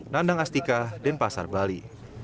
nandang astika denpasar bali